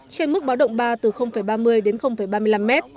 trên mức báo động ba ba mươi m đến ba mươi năm m